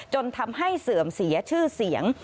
จนทำให้เสื่อมเสียชื่อเสียง